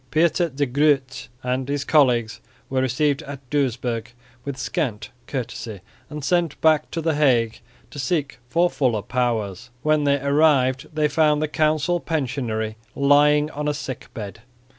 Pieter de Groot and his colleagues were received at Doesburg with scant courtesy and sent back to the Hague to seek for fuller powers. When they arrived they found the council pensionary lying on a sick bed.